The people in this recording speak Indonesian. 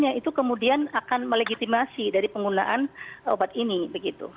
yang itu kemudian akan melegitimasi dari penggunaan obat ini begitu